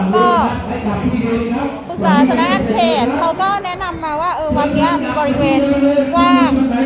ก็ปรึกษาสนักงานเขตเขาก็แนะนำมาว่าวันนี้มีบริเวณว่า